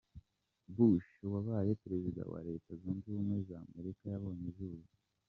Bush, wabaye perezida wa wa Leta zunze ubumwe za Amerika yabonye izuba.